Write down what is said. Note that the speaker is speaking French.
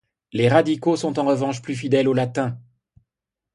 Les radicaux sont en revanche plus fidèles au latin.